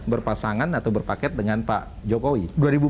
berpasangan atau berpaket dengan pak jokowi